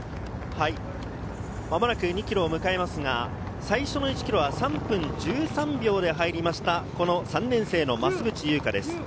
間もなく２ｋｍを迎えますが、最初の１ｋｍは３分１３秒で入りました、３年生・増渕祐香です。